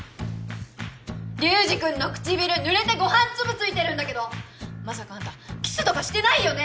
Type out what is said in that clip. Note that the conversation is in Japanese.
流司君の唇濡れてご飯粒ついてるんだけどまさかあんたキスとかしてないよね？